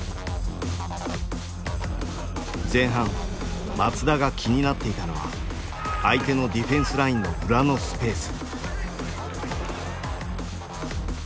前半松田が気になっていたのは相手のディフェンスラインの裏のスペース。